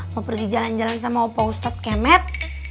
mau pergi jalan jalan sama opo ustad kemet